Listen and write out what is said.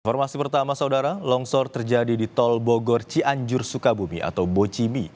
informasi pertama saudara longsor terjadi di tol bogor cianjur sukabumi atau bocimi